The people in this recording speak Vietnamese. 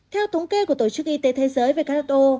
theo thống kê của tổ chức y tế thế giới về các đất ô